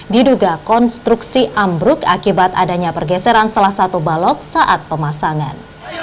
diduga konstruksi ambruk akibat adanya pergeseran salah satu balok saat pemasangan